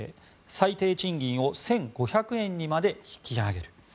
最低賃金を１５００円にまで引き上げる。